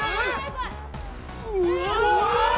うわ！